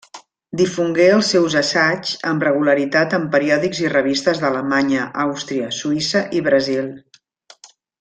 Difongué els seus assaigs amb regularitat en periòdics i revistes d'Alemanya, Àustria, Suïssa i Brasil.